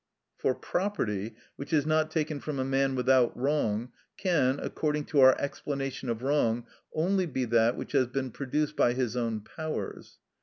For property, which is not taken from a man without wrong, can, according to our explanation of wrong, only be that which has been produced by his own powers.